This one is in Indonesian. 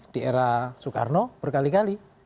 di era soekarno berkali kali